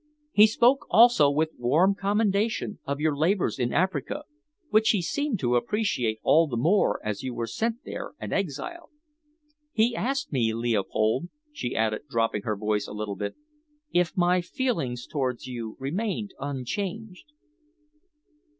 He spoke also with warm commendation of your labours in Africa, which he seemed to appreciate all the more as you were sent there an exile. He asked me, Leopold," she added, dropping her voice a little, "if my feelings towards you remained unchanged."